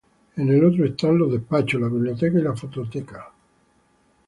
En el otro están los despachos, la biblioteca y la fototeca.